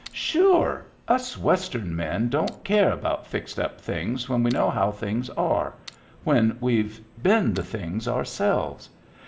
"Sure! Us Western men don't care about fixed up things when we know how things are — when we've been the things ourselves.